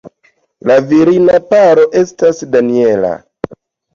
La virina paro estas Daniela.